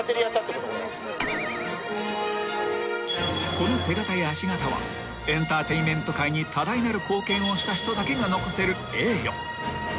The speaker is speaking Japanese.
［この手形や足形はエンターテインメント界に多大なる貢献をした人だけが残せる栄誉］